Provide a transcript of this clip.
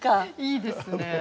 いいですね。